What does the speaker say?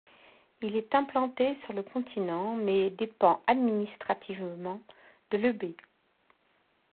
Il est implanté sur le continent mais dépend administrativement de l'Eubée.